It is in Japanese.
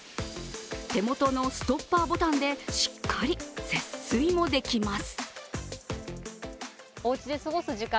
手元のストッパーボタンでしっかり節水もできます。